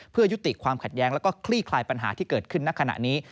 เพื่อยุติความขัดแย้งแล้วก็คลี่คลายปัญหาที่เกิดขึ้นณขณะนี้